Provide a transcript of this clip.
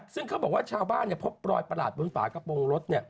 ซึ่งเขาบอกว่าชาวบ้านพบรอยประหลาดบนฝากระโปรงรถ